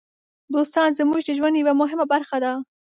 دوستان زموږ د ژوند یوه مهمه برخه دي.